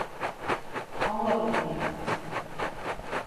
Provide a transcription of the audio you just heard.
Аңлап етмәйем.